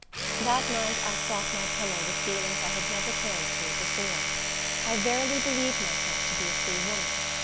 That night I sought my pillow with feelings I had never carried to it before. I verily believed myself to be a free woman.